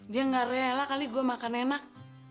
dia nggak rela kali gua makan enak